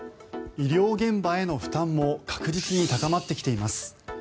医療現場への負担も確実に高まってきています。